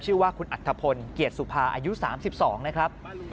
ชื่อว่าคุณอัฐพลเกียรติสุภาอายุ๓๒นะครับ